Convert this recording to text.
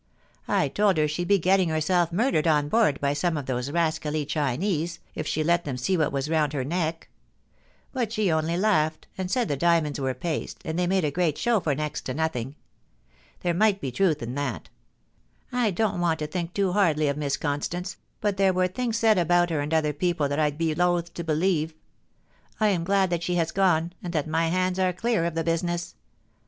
I told her she'd be getting herself murdered on board by some of those rascally Chinese, ii she let them see what was round her neck ; but she onl) laughed, and said the diamonds were paste, and they made a great show for next to nothing. There might be truth in that I don't want to think too hardly of Miss Constance, but there were things said about her and other people that I'd be loth to believe. I am glad that she has gone, and that my hands are clear of the business.